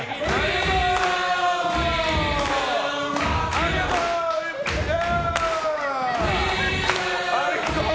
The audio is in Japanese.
ありがとうー！